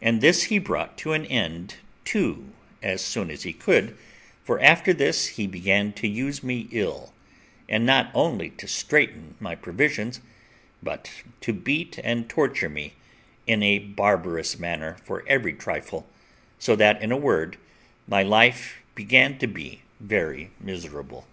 And this he brought to an end too as soon as he could, for after this he began to use me ill, and not only to straiten my provisions, but to beat and torture me in a barbarous manner for every trifle, so that, in a word, my life began to be very miserable.